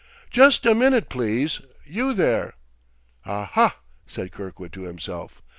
"Just a minute, please, you there!" "Aha!" said Kirkwood to himself.